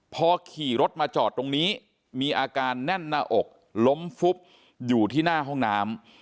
พอขี่รถมาจอดตรงนี้มีอาการแน่นหน้าอกล้มฟุบอยู่ที่หน้าห้องน้ำ